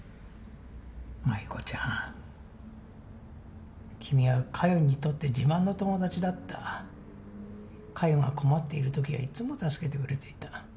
舞子ちゃん君は加代にとって自慢の友達だった加代が困っている時はいつも助けてくれていた